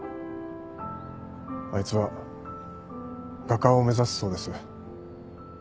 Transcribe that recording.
あいつは画家を目指すそうです。